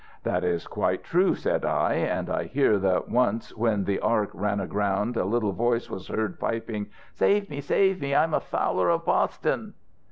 "'That is quite true,' said I. 'And I hear that once when the Ark ran aground a little voice was heard piping: 'Save me! save me! I am a Fowler of Boston!'